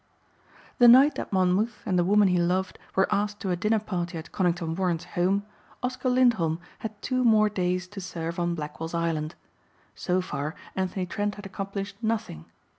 The night that Monmouth and the woman he loved were asked to a dinner party at Conington Warren's home, Oscar Lindholm had two more days to serve on Blackwell's Island. So far Anthony Trent had accomplished nothing.